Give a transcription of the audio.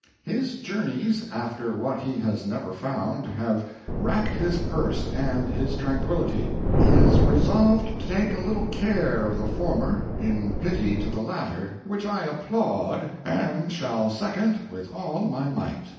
"His journeys after what he has never found have racked his purse and his tranquillity. He is resolved to take a little care of the former, in pity to the latter, which I applaud, and shall second with all my might."